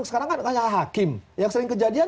sekarang kan hanya hakim yang sering kejadian